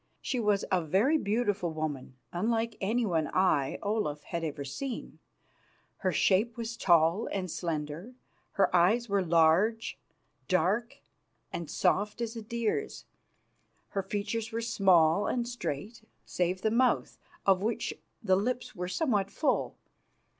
She was a very beautiful woman, unlike anyone I, Olaf, had ever seen. Her shape was tall and slender, her eyes were large, dark and soft as a deer's, her features were small and straight, save the mouth, of which the lips were somewhat full.